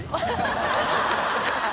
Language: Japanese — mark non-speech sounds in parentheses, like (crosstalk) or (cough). ハハハ (laughs)